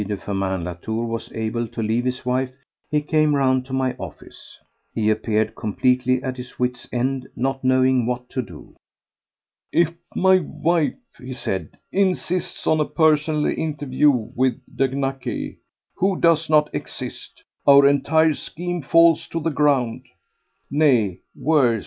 de Firmin Latour was able to leave his wife, he came round to my office. He appeared completely at his wits' end, not knowing what to do. "If my wife," he said, "insists on a personal interview with de Naquet, who does not exist, our entire scheme falls to the ground. Nay, worse!